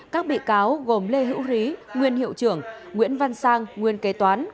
các bị cáo gồm lê hữu rí nguyên hiệu trưởng nguyễn văn sang nguyên kế toán